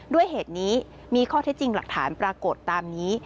ด้วยเหตุนี้มีข้อเท็จจริงหลักฐานปรากฏตามนี้